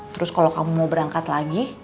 terus kalau kamu mau berangkat lagi